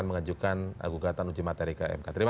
yang itu kita lihat yang ayam races itu